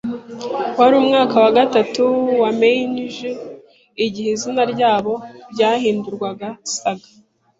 Wari umwaka wa gatatu wa Meiji igihe izina ryabo ryahindurwaga Saga.